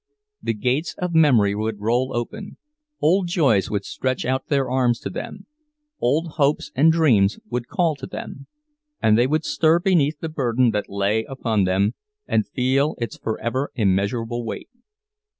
The gates of memory would roll open—old joys would stretch out their arms to them, old hopes and dreams would call to them, and they would stir beneath the burden that lay upon them, and feel its forever immeasurable weight.